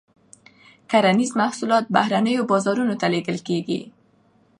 کرنیز محصولات بهرنیو بازارونو ته لیږل کیږي.